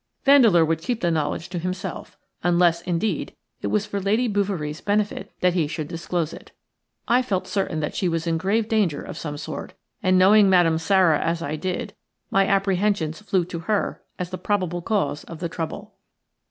Vandeleur would keep the knowledge to himself; unless, indeed, it was for Lady Bouverie's benefit that he should disclose it. I felt certain that she was in grave danger of some sort, and, knowing Madame Sara as I did, my apprehensions flew to her as the probable cause of the trouble.